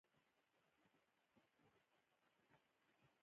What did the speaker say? بیا د مسو دوره راغله او بدلون راغی.